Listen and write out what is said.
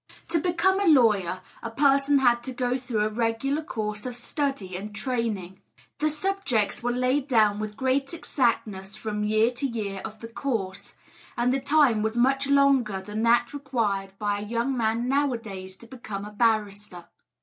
To become a lawyer a person had to go through a regular course of study and training. The subjects were laid down with great exactness from year to year of the course; and the time was much longer than that required by a young man now a days to become a barrister.